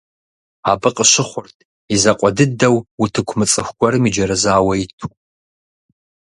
Абы къыщыхъурт и закъуэ дыдэу утыку мыцӀыху гуэрым иджэрэзауэ иту.